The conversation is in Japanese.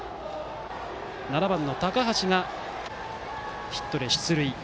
７番の高橋がヒットで出塁。